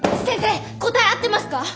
先生答え合ってますか？